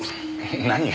何が？